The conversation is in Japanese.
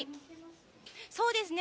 そうですね。